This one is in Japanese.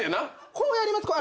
こうやります。